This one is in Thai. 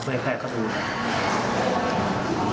เพื่อแพร่ข้าวธุรกิจ